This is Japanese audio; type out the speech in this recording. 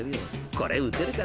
これ打てるか？